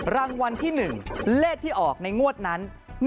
รางวัลที่๑เลขที่ออกในงวดนั้น